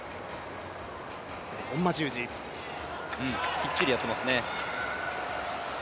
きっちりやってますね。